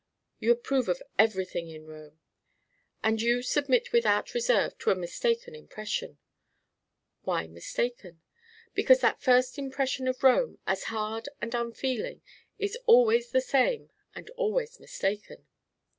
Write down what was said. "You approve of everything in Rome." "And you submit without reserve to a mistaken impression." "Why mistaken?" "Because that first impression of Rome, as hard and unfeeling, is always the same and always mistaken."